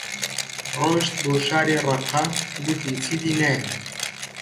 ڕۆیشت بۆ شاری ڕەققە، گوتی چیدی نایەم